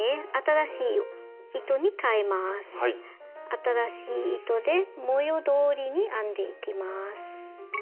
新しい糸で模様どおりに編んでいきます。